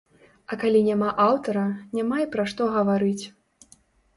А калі няма аўтара, няма і пра што гаварыць.